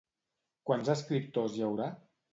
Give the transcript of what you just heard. Quants escriptors hi haurà?